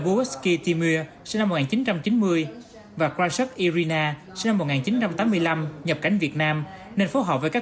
vukovsky timur và khrushchev irina nên phối hợp với các